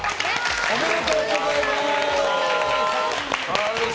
おめでとうございます。